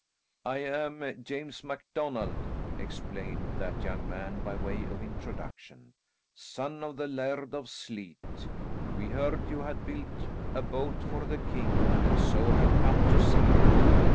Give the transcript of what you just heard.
"I am James MacDonald," explained that young man by way of introduction, "son of the Laird of Sleat. We heard you had built a boat for the king, and so have come to see it.